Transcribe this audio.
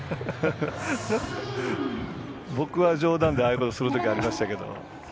僕は冗談でああいうことするときがありました。